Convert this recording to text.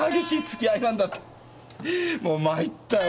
もう参ったよ